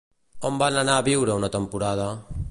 On van anar a viure una temporada?